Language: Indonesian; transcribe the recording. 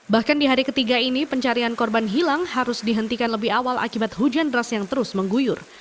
bahkan di hari ketiga ini pencarian korban hilang harus dihentikan lebih awal akibat hujan deras yang terus mengguyur